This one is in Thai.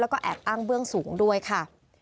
แล้วก็แอบอ้างเบื้องสูงด้วยค่ะ